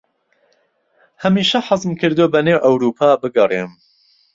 هەمیشە حەزم کردووە بەنێو ئەورووپا بگەڕێم.